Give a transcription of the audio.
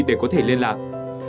để có thể liên lạc